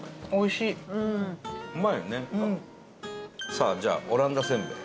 さあじゃあオランダせんべい。